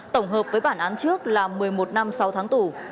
tổng hợp với bản án trước là một mươi một năm sáu tháng tù